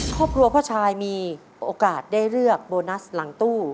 ครอบครัวพ่อชายมีโอกาสได้เลือกโบนัสหลังตู้